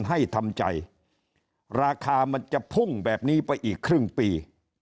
ให้ทำใจราคามันจะพุ่งแบบนี้ไปอีกครึ่งปี